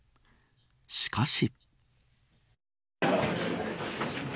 しかし。